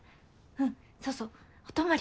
うんそうそうお泊まり